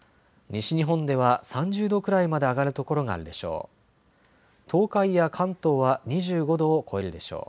西日本では３０度くらいまで上がる所があるでしょう。